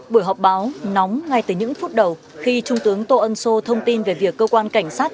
buổi họp báo nóng ngay từ những phút đầu khi trung tướng tô ân sô thông tin về việc cơ quan cảnh sát